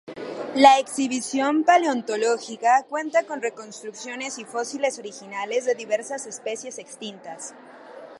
La exhibición paleontológica cuenta con reconstrucciones y fósiles originales de diversas especies extintas.